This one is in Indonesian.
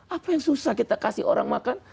apa yang susah kita kasih orang makan